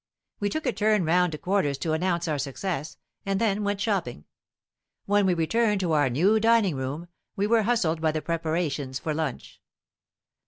We took a turn round to quarters to announce our success, and then went shopping. When we returned to our new dining room, we were hustled by the preparations for lunch.